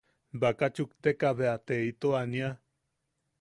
Baka chukteka bea te ito ania.